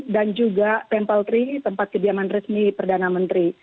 dan juga temple tiga tempat kediaman resmi perdana menteri